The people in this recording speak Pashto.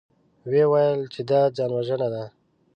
ويې ويل چې دا ځانوژنه ده.